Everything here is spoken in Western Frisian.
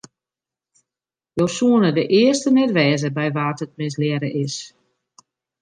Jo soene de earste net wêze by wa't it mislearre is.